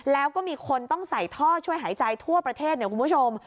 แล้วก็มีคนต้องใส่ท่อช่วยหายใจทั่วประเทศเนี่ยคุณผู้ชม